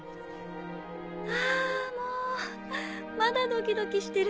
もうまだドキドキしてる。